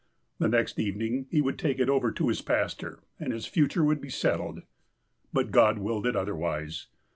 The next evening he would take it over to his pastor, and his future would be settled. But God willed it otherwise.